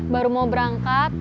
baru mau berangkat